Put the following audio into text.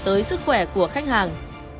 tới sức khỏe của khách hàng